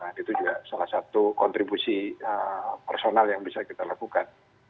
nah itu juga salah satu kontribusi personal yang bisa kita lakukan